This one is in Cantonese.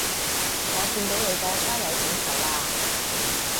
我見到你個加友請求啦